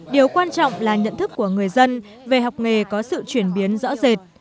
điều quan trọng là nhận thức của người dân về học nghề có sự chuyển biến rõ rệt